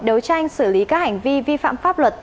đấu tranh xử lý các hành vi vi phạm pháp luật